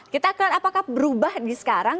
kita akan apakah berubah di sekarang